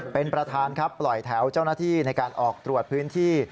เป็นประธานครับปล่อยแถวเจ้าหน้าที่ในการออกตรวจพื้นที่